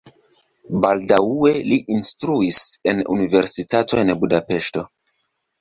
Baldaŭe li instruis en la universitato en Budapeŝto.